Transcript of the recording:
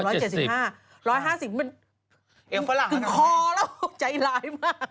๑๕๐เมตรมันถึงคอแล้วใจร้ายมาก